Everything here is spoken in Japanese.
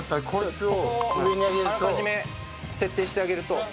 ここをあらかじめ設定してあげると。